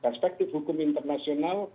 perspektif hukum internasional